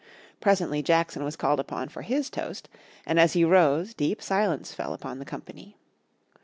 Presently Jackson was called upon for his toast, and as he rose deep silence fell upon the company.